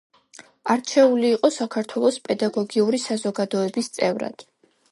არჩეული იყო საქართველოს პედაგოგიური საზოგადოების წევრად.